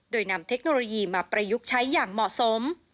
โดยนำเทคโนโลยีมาประยุกต์ใช้อย่างเหมาะสม